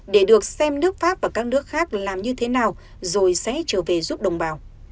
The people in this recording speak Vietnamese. để được xem nước pháp và các nước khác làm như thế nào rồi sẽ trở về giúp đồng bào